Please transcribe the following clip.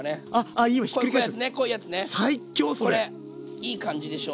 いい感じでしょ？